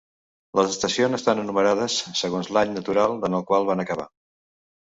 Les estacions estan enumerades segons l'any natural en el qual van acabar.